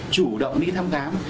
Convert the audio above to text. chủ động đi thăm khám